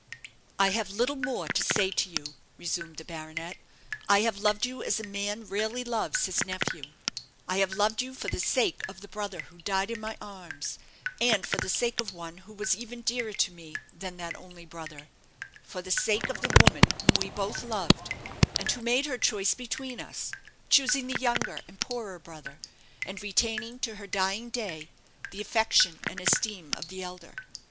"I have little more to say to you," resumed the baronet. "I have loved you as a man rarely loves his nephew. I have loved you for the sake of the brother who died in my arms, and for the sake of one who was even dearer to me than that only brother for the sake of the woman whom we both loved, and who made her choice between us choosing the younger and poorer brother, and retaining to her dying day the affection and esteem of the elder.